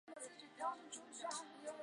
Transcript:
伪齐皇帝刘豫之子。